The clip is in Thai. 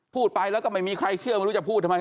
พูดไปแล้วก็ไม่มีใครเชื่อไม่รู้จะพูดทำไม